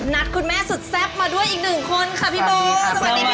คุณแม่สุดแซ่บมาด้วยอีกหนึ่งคนค่ะพี่โบสวัสดีค่ะ